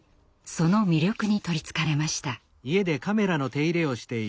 その魅力に取りつかれました。